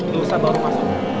bisa baru masuk